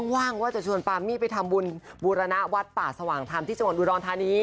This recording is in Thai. ว่างว่าจะชวนปามมี่ไปทำบุญบูรณวัดป่าสว่างธรรมที่จังหวัดอุดรธานี